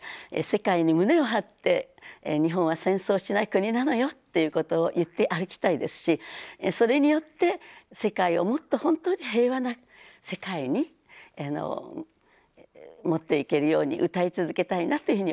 世界に胸を張って日本は戦争しない国なのよっていうことを言って歩きたいですしそれによって世界をもっと本当に平和な世界に持っていけるように歌い続けたいなというふうに思います。